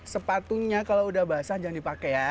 sepatunya kalau udah basah jangan dipakai ya